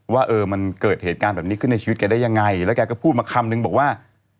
ว่าเออมันเกิดเหตุการณ์แบบนี้ขึ้นในชีวิตแกได้ยังไงแล้วแกก็พูดมาคำนึงบอกว่า